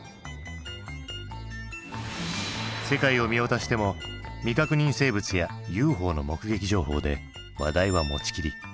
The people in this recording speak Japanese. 世界を見渡しても未確認生物やＵＦＯの目撃情報で話題は持ちきり。